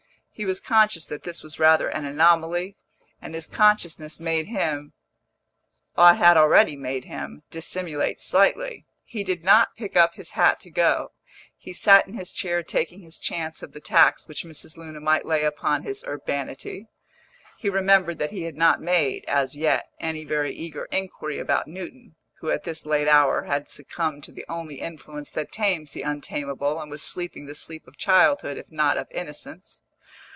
He was conscious that this was rather an anomaly, and his consciousness made him, had already made him, dissimulate slightly. He did not pick up his hat to go; he sat in his chair taking his chance of the tax which Mrs. Luna might lay upon his urbanity. He remembered that he had not made, as yet, any very eager inquiry about Newton, who at this late hour had succumbed to the only influence that tames the untamable and was sleeping the sleep of childhood, if not of innocence.